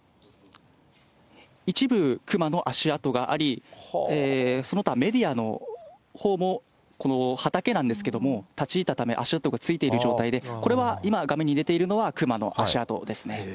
一部、熊の足跡があり、その他、メディアのほうも、この、畑なんですけれども、立ち入ったため、足跡がついている状態で、これは今、画面に出ているのは熊の足跡ですね。